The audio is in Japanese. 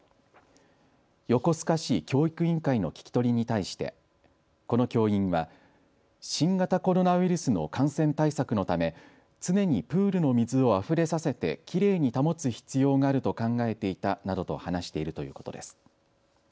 横須賀市教育委員会の聞き取りに対してこの教員は新型コロナウイルスの感染対策のため常にプールの水をあふれさせてきれいに保つ必要があると考えていたなどと話しているということです。